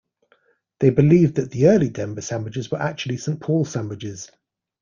They believed that the early Denver sandwiches were actually Saint Paul sandwiches.